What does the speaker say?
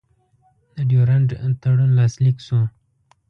د ډیورنډ تړون لاسلیک شو.